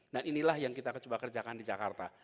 nah inilah yang kita coba kerjakan di jakarta